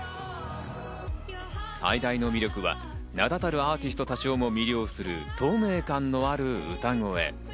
最大の魅力は名だたるアーティストたちをも魅了する透明感のある歌声。